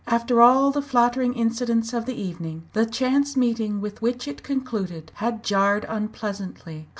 After all the flattering incidents of the evening, the chance meeting with which it concluded had jarred unpleasantly.